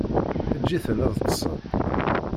Eǧǧ-iten ad ṭṭsen.